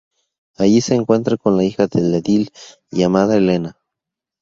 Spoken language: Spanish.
Allí se encuentra con la hija del edil, llamada Elena.